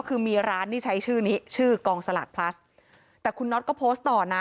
คือมีร้านที่ใช้ชื่อนี้ชื่อกองสลากพลัสแต่คุณน็อตก็โพสต์ต่อนะ